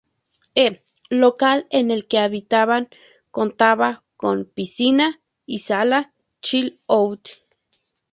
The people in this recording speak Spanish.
E local en el que habitaban contaba con piscina y sala chill out.